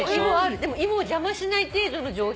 でも芋を邪魔しない程度の上品さがあるわ。